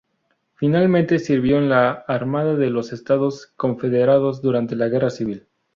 Finalmente sirvió en la Armada de los Estados Confederados durante la Guerra Civil.